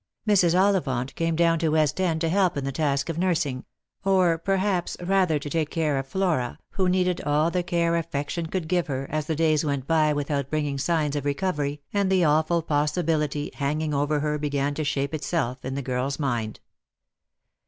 Mrs. Ollivant came down to West end to help in the task of nursing — or perhaps rather to take care of Flora, who needed all the care affection could give her, as the days went by with out bringing signs of recovery, and the awful possibility hang ing over her began to shape itself in the girl's mind.